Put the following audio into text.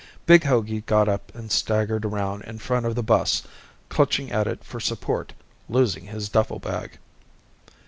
Big Hogey got up and staggered around in front of the bus, clutching at it for support, losing his duffle bag.